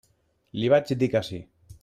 Li vaig dir que sí.